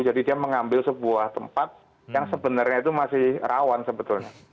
jadi dia mengambil sebuah tempat yang sebenarnya itu masih rawan sebetulnya